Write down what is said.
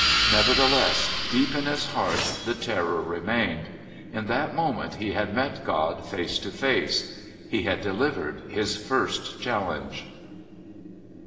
Nevertheless, deep in his heart, the terror remained. In that moment he had met God face to face; he had delivered his first challenge.